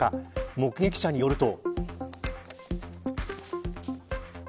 目撃者によると。